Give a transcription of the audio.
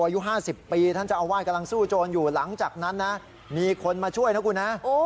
อายุ๕๐ปีท่านเจ้าอาวาสกำลังสู้โจรอยู่หลังจากนั้นนะมีคนมาช่วยนะคุณฮะ